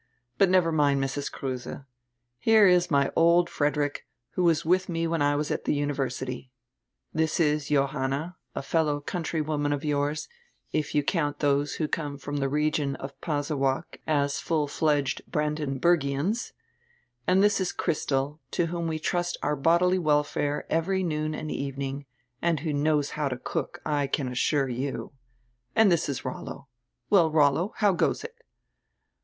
"But never mind Mrs. Kruse. Here is my old Frederick, who was with me when I was at the university. Good times then, weren't they, Frederick? —This is Johanna, a fellow countrywoman of yours, if you count diose who come from the region of Pasewalk as full fledged Brandenburgians; and diis is Christel, to whom we trust our bodily welfare every noon and evening, and who knows how to cook, I can assure you. And diis is Rollo. Well, Rollo, how goes it?"